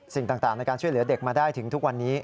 สิ่งต่างในการช่วยเหลือเด็กมาได้ถึงทุกวันนี้